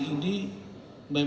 memang kualitasnya bersatu